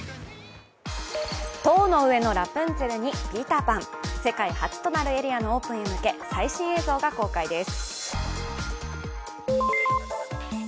「塔の上のラプンツェル」に「ピーター・パン」、世界初となるエリアのオープンに向け最新映像が公開です。